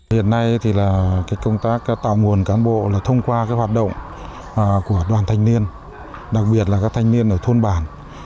hiện nay thì là công tác tạo nguồn cán bộ là thông qua hoạt động của đoàn thanh niên đặc biệt là các thanh niên ở thôn bản